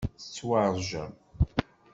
Tettwaṛjem.